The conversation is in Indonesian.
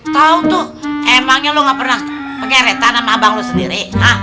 tau tuh emangnya lu ga pernah mengeret tanah mah abang lu sendiri